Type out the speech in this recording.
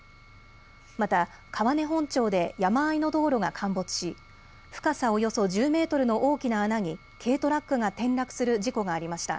また川根本町で山あいの道路が陥没し深さおよそ１０メートルの大きな穴に軽トラックが転落する事故がありました。